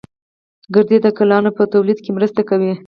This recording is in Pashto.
گردې د ګلانو په تولید کې مرسته کوي